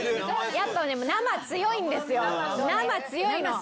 やっぱね、生、強いんですよ、生強いの。